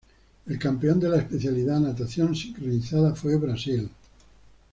El campeón de la especialidad Natación sincronizada fue Brasil.